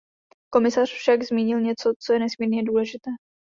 Komisař však zmínil něco, co je nesmírně důležité.